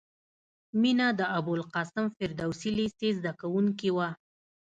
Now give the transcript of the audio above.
مینه د ابوالقاسم فردوسي لېسې زدکوونکې وه